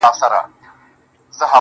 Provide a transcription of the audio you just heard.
• دښایستونو خدایه اور ته به مي سم نیسې.